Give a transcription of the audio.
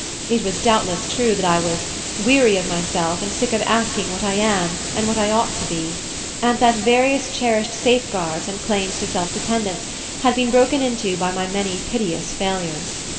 It was doubtless true that I was "Weary of myself and sick of asking What I am and what I ought to be," and that various cherished safeguards and claims to self dependence had been broken into by many piteous failures.